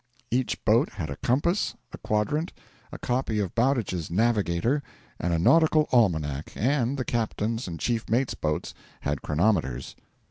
Each boat had a compass, a quadrant, a copy of Bowditch's 'Navigator,' and a Nautical Almanac, and the captain's and chief mate's boats had chronometers.